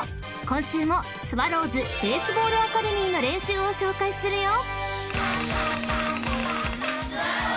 今週もスワローズベースボールアカデミーの練習を紹介するよ］